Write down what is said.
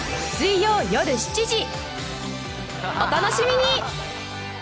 お楽しみに！